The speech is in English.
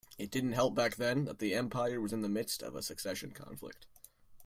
It didn't help that back then the empire was in the midst of a succession conflict.